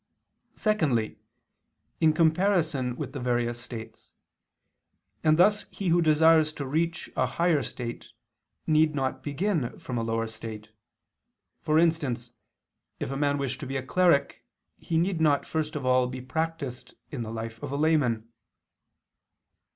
Secondly, in comparison with various states; and thus he who desires to reach to a higher state need not begin from a lower state: for instance, if a man wish to be a cleric he need not first of all be practiced in the life of a layman.